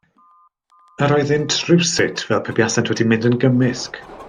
Yr oeddynt rywsut fel pe buasent wedi mynd yn gymysg.